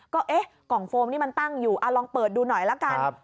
ก็เอ๊ะกล่องโฟมนี่มันตั้งอยู่ลองเปิดดูหน่อยละกัน